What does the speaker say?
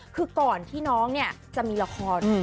คือก่อนที่น้องเนี่ยจะมีละคร